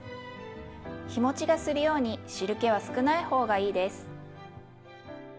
日もちがするように汁けは少ない方がいいです。